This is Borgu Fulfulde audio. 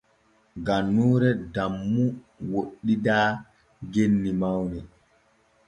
Gannuure Dammu woɗɗidaa genni mawni.